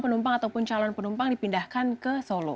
penumpang ataupun calon penumpang dipindahkan ke solo